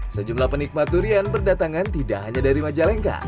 sejumlah penikmat durian berdatangan tidak hanya dari majalengka